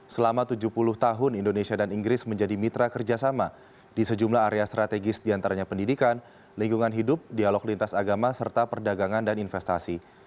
selama tujuh puluh tahun indonesia dan inggris menjadi mitra kerjasama di sejumlah area strategis diantaranya pendidikan lingkungan hidup dialog lintas agama serta perdagangan dan investasi